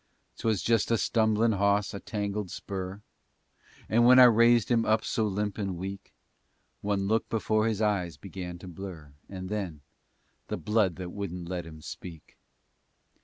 'Twas just a stumblin' hawse, a tangled spur And, when I raised him up so limp and weak, One look before his eyes begun to blur And then the blood that wouldn't let 'im speak!